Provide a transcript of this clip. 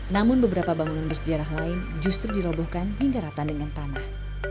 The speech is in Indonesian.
namun beberapa bangunan bersejarah lain justru dirobohkan hingga rata dengan tanah